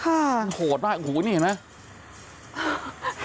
ค่ะโหดมากหูนี่เห็นไหม